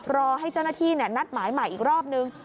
รอให้เจ้าหน้าที่นัดหมายใหม่อีกรอบนึง